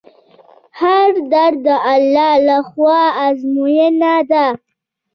هر درد د الله له خوا ازموینه ده.